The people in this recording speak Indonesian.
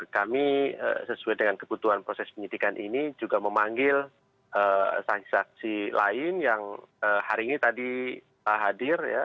kami sesuai dengan kebutuhan proses penyidikan ini juga memanggil saksi saksi lain yang hari ini tadi hadir ya